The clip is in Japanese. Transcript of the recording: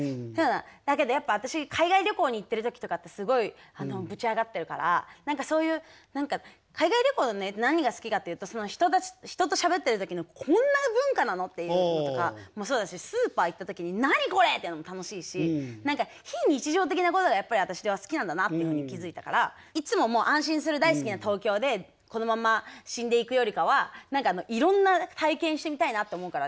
だけどやっぱ私海外旅行に行ってる時とかってすごいぶち上がってるから何かそういう海外旅行の何が好きかっていうと人としゃべってる時のこんな文化なの！？っていうのとかもそうだしスーパー行った時に何これ！？っていうのも楽しいし何か非日常的なことがやっぱり私は好きなんだなっていうふうに気付いたからいつも安心する大好きな東京でこのまま死んでいくよりかは何かいろんな体験してみたいなって思うから。